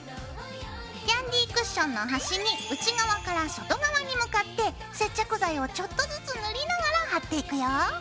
キャンディークッションの端に内側から外側に向かって接着剤をちょっとずつ塗りながら貼っていくよ。